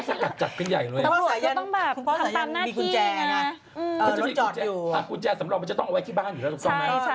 สำหรับกุญแจมันจะต้องเอาไว้ที่บ้านอยู่แล้ว